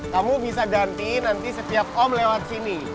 kamu bisa ganti nanti setiap om lewat sini